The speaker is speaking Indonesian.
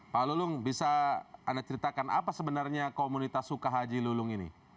pak lulung bisa anda ceritakan apa sebenarnya komunitas sukahaji lulung ini